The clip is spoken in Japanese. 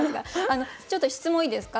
ちょっと質問いいですか？